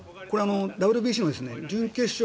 ＷＢＣの準決勝